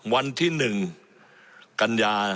วันที่หนึ่งกัญญา